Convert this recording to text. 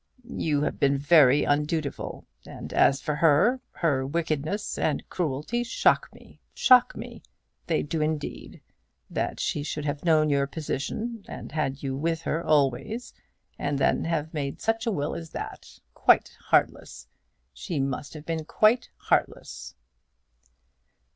"You have been very undutiful; and as for her, her wickedness and cruelty shock me, shock me. They do, indeed. That she should have known your position, and had you with her always, and then have made such a will as that! Quite heartless! She must have been quite heartless."